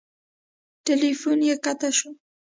تیلفون یې قطع شو.